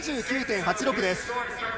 ７９．８６です。